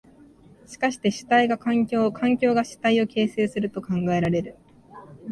しかして主体が環境を、環境が主体を形成すると考えられる。